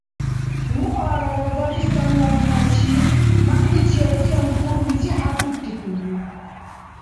Луарара дагъистанлантачил мягӀничебси анцӀбукьличи хӀядуррикӀулри.